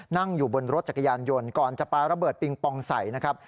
นั่งอยู่บนรถจักรยานยนต์ก่อนจะปลาระเบิดปิงปองใส่นะครับ